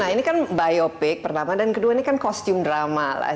nah ini kan biopik pertama dan kedua ini kan kostum drama lah